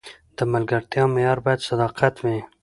د ملګرتیا معیار باید صداقت وي.